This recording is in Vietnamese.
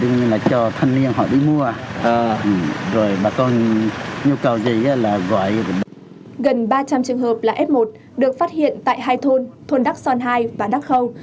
gần ba trăm linh trường hợp là f một được phát hiện tại hai thôn thôn đắc son hai và đắc khâu